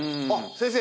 先生